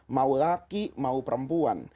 mau laki mau perempuan